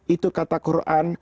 itu kata quran